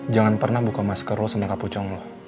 jangan pernah buka masker lo sama kapucong lo